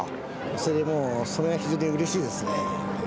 それでもうそれが非常にうれしいですね。